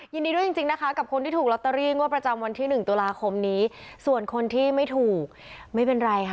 ยินดีด้วยจริงจริงนะคะกับคนที่ถูกลอตเตอรี่งวดประจำวันที่หนึ่งตุลาคมนี้ส่วนคนที่ไม่ถูกไม่เป็นไรค่ะ